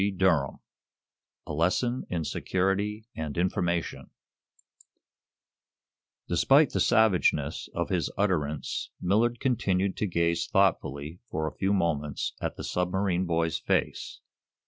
CHAPTER VII A LESSON IN SECURITY AND INFORMATION Despite the savageness of his utterance Millard continued to gaze thoughtfully, for a few moments, at the submarine boy's face.